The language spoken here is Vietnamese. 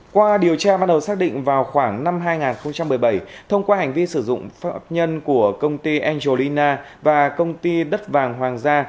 qua điều tra ban đầu xác định vào khoảng năm hai nghìn một mươi bảy thông qua hành vi sử dụng pháp nhân của công ty angelina và công ty đất vàng hoàng gia